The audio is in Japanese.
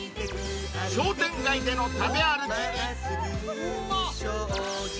［商店街での食べ歩きに］